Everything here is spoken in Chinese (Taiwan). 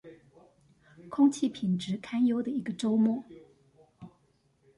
空氣品質堪憂的一個週末